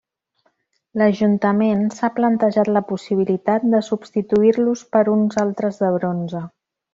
L'ajuntament s'ha plantejat la possibilitat de substituir-los per uns altres de bronze.